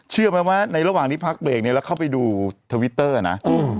เชื่อไหมว่าในระหว่างที่พักเบรกนี้แล้วเข้าไปดูทวิตเตอร์นะ